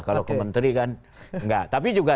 kalau ke menteri kan enggak tapi juga